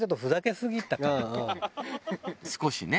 少しね。